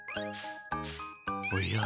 おや？